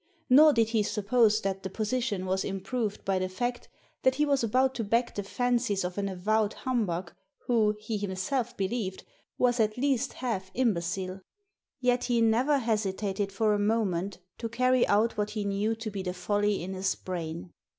Nor did he suppose that the position was improved by the fact that he was about to back the fancies of an avowed humbug who, he himself believed, was at least half imbecile. Yet he never hesitated for a moment to carry out what he knew to be the folly in his brain.